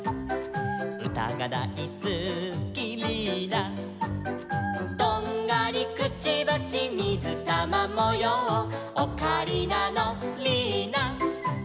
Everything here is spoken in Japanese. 「うたがだいすきリーナ」「とんがりくちばしみずたまもよう」「オカリナのリーナ」